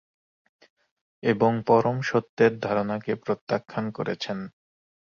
এবং পরম সত্যের ধারণাকে প্রত্যাখ্যান করেছেন।